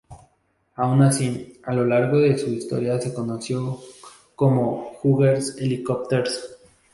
Aun así, a lo largo de su historia se conoció como Hughes Helicopters.